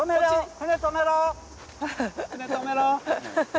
船止めろ。